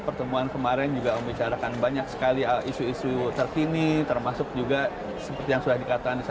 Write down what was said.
pertemuan kemarin juga membicarakan banyak sekali isu isu terkini termasuk juga seperti yang sudah dikatakan